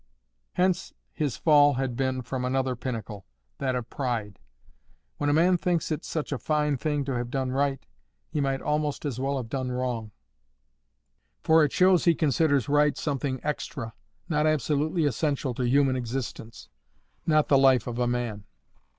Hence his fall had been from another pinnacle—that of pride. When a man thinks it such a fine thing to have done right, he might almost as well have done wrong, for it shows he considers right something EXTRA, not absolutely essential to human existence, not the life of a man.